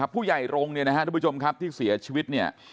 ผู้ใหญ่โรงที่เสียชีวิต